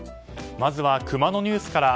まずはクマのニュースから。